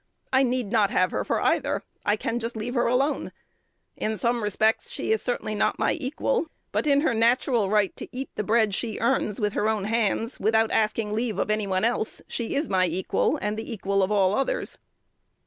I need not have her for either. I can just leave her alone. In some respects, she certainly is not my equal; but in her natural right to eat the bread she earns with her own hands, without asking leave of any one else, she is my equal, and the equal of all others."